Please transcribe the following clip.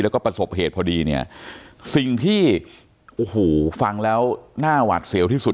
แล้วก็ประสบเหตุพอดีสิ่งที่ฟังแล้วหน้าหวัดเสี่ยวที่สุด